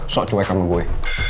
sok cuek kamu gue